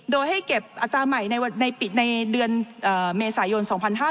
โดยให้เก็บอัตราใหม่ในเดือนเมษายน๒๕๕๙